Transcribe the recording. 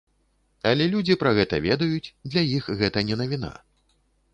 Але людзі пра гэта ведаюць, для іх гэта не навіна.